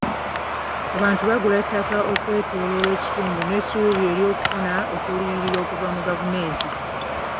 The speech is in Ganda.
Abantu bagula ettaka ekwetooloola ekitundu n'esuubi ly'okufuna okuliyirirwa okuva mu gavumenti.